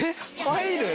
入る？